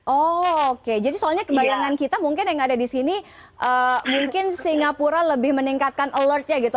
oh oke jadi soalnya kebayangan kita mungkin yang ada di sini mungkin singapura lebih meningkatkan alertnya gitu